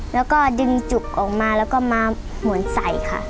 แล้วก็ดึงจุกออกมาแล้วก็มาเหมือนใส่ค่ะ